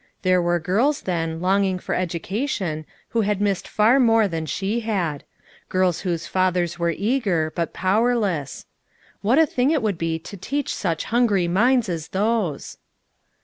There were girls, then, longing for education, who had missed far more than she had; girls whose fathers were eager, but powerless. What a thing it would be to teach such hungry minds as those!